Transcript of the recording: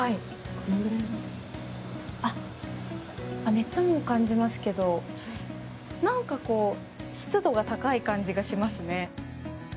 熱も感じますけど湿度が高い感じがしますね。